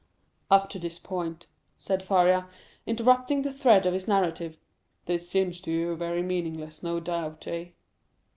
"Up to this point," said Faria, interrupting the thread of his narrative, "this seems to you very meaningless, no doubt, eh?"